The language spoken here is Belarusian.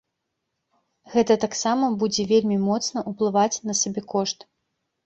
Гэта таксама будзе вельмі моцна ўплываць на сабекошт.